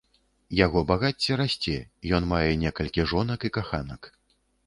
Яго багацце расце, ён мае некалькі жонак і каханак.